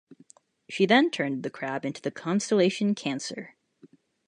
She then turned the crab into the constellation Cancer.